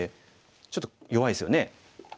ちょっと弱いですよね。